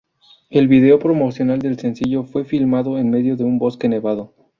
El video promocional del sencillo fue filmado en medio de un bosque nevado.